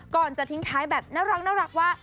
ก่อนจะทิ้งท้ายแบบน่ารักว่า